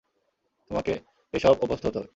তোমাকে এসব অভ্যস্ত হতে হবে।